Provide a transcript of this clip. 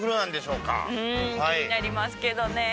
うん気になりますけどねぇ